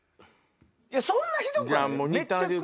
そんなひどくはないよ。